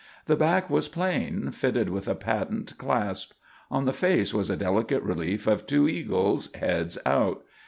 The back was plain, fitted with a patent clasp. On the face was a delicate relief of two eagles, heads out.